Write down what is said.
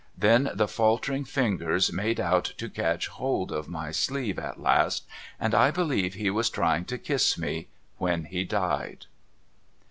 Then the faltering fingers made 374 MRS. LIRRIPER'S LEGACY out to catch hold of my sleeve at last, and I believe he was a trying to kiss me when he died.